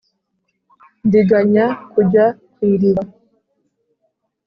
Ndiganya kujya ku iriba.